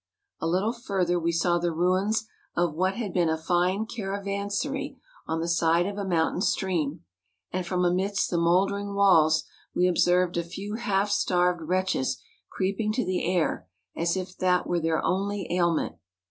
A little further we saw the ruins of what had been a fine caravansary on the side of a moun p 210 MOUNTAIN ADVENTURES. tain stream, and from amidst the mouldering walls, we observed a few half starved Avretches creep¬ ing to the air, as if that were their only aliment.